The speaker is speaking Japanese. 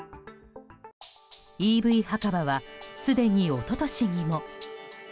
ＥＶ墓場は、すでに一昨年にも。